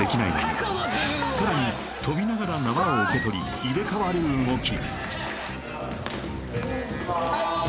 さらに跳びながら縄を受け取り入れ替わる動き